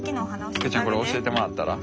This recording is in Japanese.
クーちゃんこれ教えてもらったら？